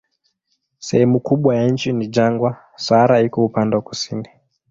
Sehemu kubwa ya nchi ni jangwa, Sahara iko upande wa kusini.